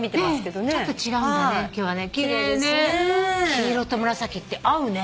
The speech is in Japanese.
黄色と紫って合うね。